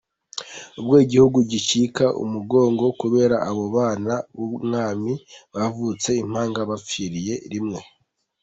Ubwo igihugu gicika umugongo kubera abo bana b’umwami bavutse impanga bapfiriye rimwe.